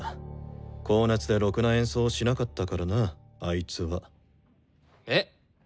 高熱でろくな演奏をしなかったからなあいつは。えっ！？